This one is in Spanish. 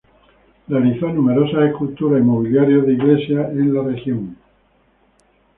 Realizó numerosas esculturas y mobiliario de iglesias en la región.